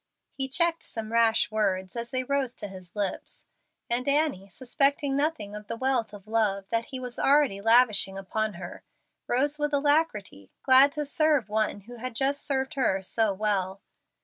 He checked some rash words as they rose to his lips, and Annie, suspecting nothing of the wealth of love that he was already lavishing upon her, rose with alacrity, glad to serve one who had just served her so well.